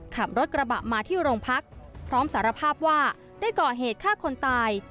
ขับรถกระบะมาที่โรงพักพร้อมสารภาพว่าได้ก่อเหตุฆ่าคนตาย